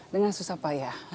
dengan susah payah